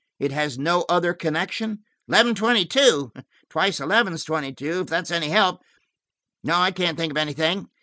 "It has no other connection?" "Eleven twenty two? Twice eleven is twenty two, if that's any help. No, I can't think of anything.